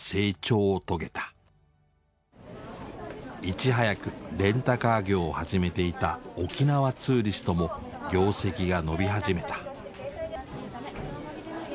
いち早くレンタカー業を始めていた沖縄ツーリストも業績が伸び始めた。